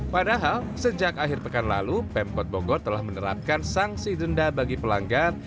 padahal sejak akhir pekan lalu pemkot bogor telah menerapkan sanksi denda bagi pelanggan